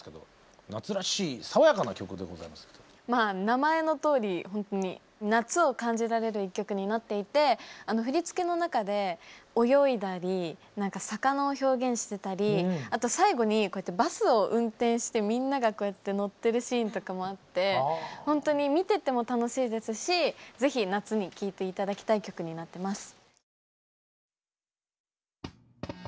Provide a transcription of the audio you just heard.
名前のとおりほんとに夏を感じられる１曲になっていて振り付けの中で泳いだり何か魚を表現してたりあと最後にこうやってバスを運転してみんながこうやって乗ってるシーンとかもあってほんとに見てても楽しいですし是非夏に聴いて頂きたい曲になってます。